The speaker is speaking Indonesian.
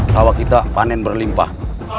sawah kita panen berlimpah